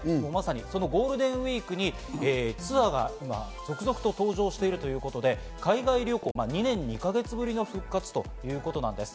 ゴールデンウイークにツアーが今、続々と登場しているということで、海外旅行に２年２か月ぶりの復活ということなんです。